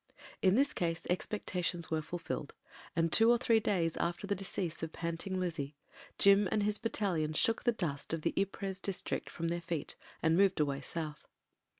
In this case expectations were fulfilled, and two or three days after the decease of Panting Lizze, Jim and his bat talion shook the dust of the Ypres district from their feet and moved away south.